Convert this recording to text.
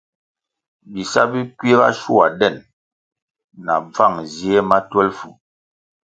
Bisa bi kiuga shua den na bvan zie ma twelfu.